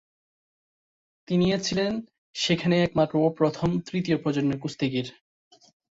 তিনিই ছিলেন সেখানে একমাত্র ও প্রথম তৃতীয় প্রজন্মের কুস্তিগির।